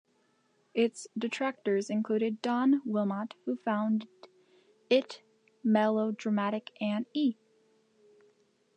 Its detractors included Don Willmot, who found it melodramatic, and E!